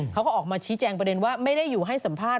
เขาก็ออกมาชี้แจงประเด็นว่าไม่ได้อยู่ให้สัมภาษณ